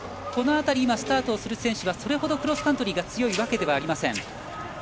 この辺りスタートする選手はそれほどクロスカントリーが強いわけではありません。